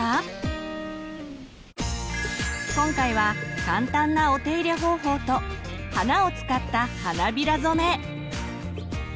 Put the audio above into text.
今回は簡単なお手入れ方法と花を使った花びら染め。